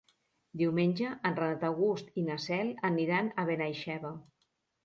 Diumenge en Renat August i na Cel aniran a Benaixeve.